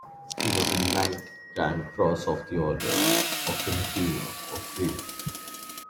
He was a Knight Grand Cross of the Order of the Redeemer of Greece.